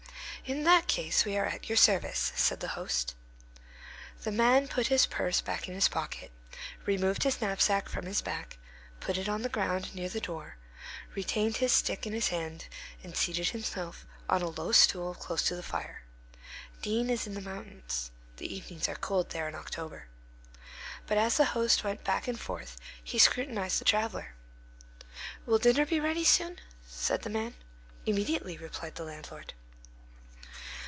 "In that case, we are at your service," said the host. The man put his purse back in his pocket, removed his knapsack from his back, put it on the ground near the door, retained his stick in his hand, and seated himself on a low stool close to the fire. D—— is in the mountains. The evenings are cold there in October. But as the host went back and forth, he scrutinized the traveller. "Will dinner be ready soon?" said the man. "Immediately," replied the landlord.